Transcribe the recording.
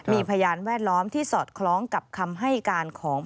มีพยานแวดล้อมที่สอดคล้องกับคำให้การของ